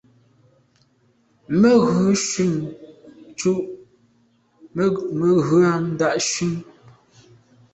Mə ghʉ̌ nshun ncʉ’ Mə ghʉ̌ tà’ nshunə.